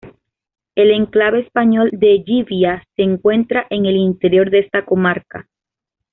El enclave español de Llivia se encuentra en el interior de esta comarca.